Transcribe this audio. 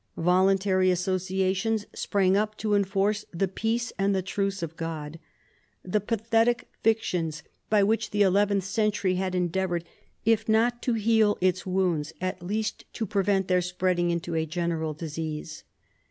Voluntary associa tions sprang up to enforce the Peace and the Truce of God, the pathetic fictions by which the eleventh century had endeavoured, if not to heal its wounds, at least to prevent their spreading into a general disease.